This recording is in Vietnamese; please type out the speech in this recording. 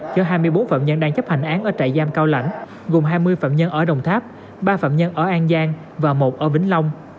cho hai mươi bốn phạm nhân đang chấp hành án ở trại giam cao lãnh gồm hai mươi phạm nhân ở đồng tháp ba phạm nhân ở an giang và một ở vĩnh long